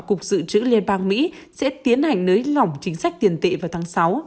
cục dự trữ liên bang mỹ sẽ tiến hành nới lỏng chính sách tiền tệ vào tháng sáu